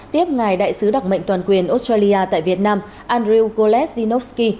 tiếp ngài đại sứ đặc mệnh toàn quyền australia tại việt nam andrew goleszczynowski